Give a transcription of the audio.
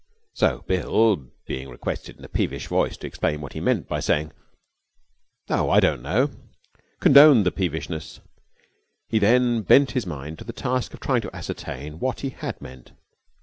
So Bill, being requested in a peevish voice to explain what he meant by saying, 'Oh, I don't know,' condoned the peevishness. He then bent his mind to the task of trying to ascertain what he had meant.